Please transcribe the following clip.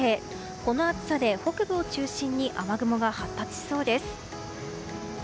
この暑さで北部を中心に雨雲が発達しそうです。